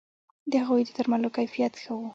د هغوی د درملو کیفیت ښه وو